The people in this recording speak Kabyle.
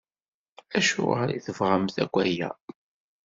Acuɣer i tebɣamt akk aya?